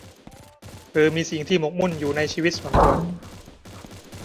หรือมีสิ่งที่หมกมุ่นอยู่ในชีวิตส่วนตัว